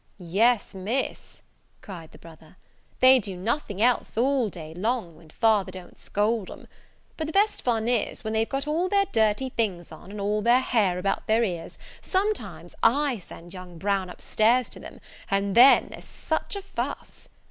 "Yes, Miss," cried the brother, "they do nothing else all day long, when father don't scold them. But the best fun is, when they've got all their dirty things on, and all their hair about their ears, sometimes I send young Brown up stairs to them: and then there's such a fuss!